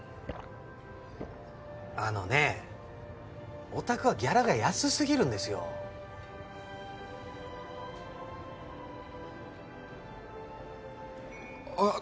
あのねおたくはギャラが安すぎるんですよあっ